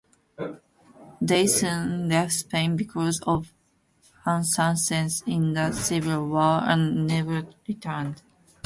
They soon left Spain because of unsuccess in the civil war, and never returned.